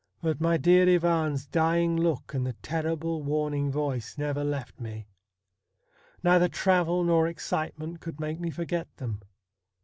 But my dear Ivan's dying look and the terrible warning voice never left me. Neither travel nor excitement could make me forget them.